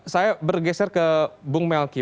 saya bergeser ke bung melki